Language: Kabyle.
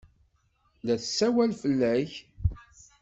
La tessawal fell-ak.